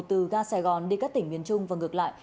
từ ga sài gòn đi các tỉnh miền trung và ngược lại